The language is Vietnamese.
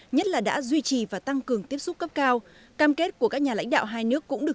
nhất là đã duy trì và tăng cường tiếp xúc cấp cao cam kết của các nhà lãnh đạo hai nước cũng được